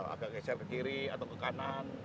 agak geser ke kiri atau ke kanan